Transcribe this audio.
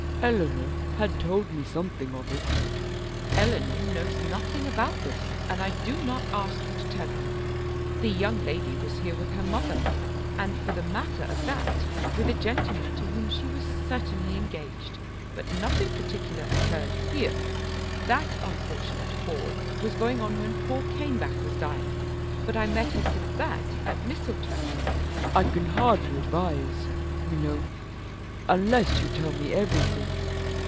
"Eleanor had told me something of it." "Eleanor knows nothing about this, and I do not wish you to tell her. The young lady was here with her mother, and for the matter of that with a gentleman to whom she was certainly engaged; but nothing particular occurred here. That unfortunate ball was going on when poor Caneback was dying. But I met her since that at Mistletoe." "I can hardly advise, you know, unless you tell me everything."